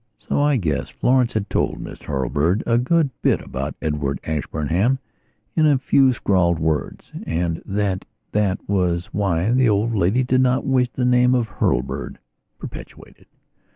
So I guess Florence had told Miss Hurlbird a good bit about Edward Ashburnham in a few scrawled wordsand that that was why the old lady did not wish the name of Hurlbird perpetuated.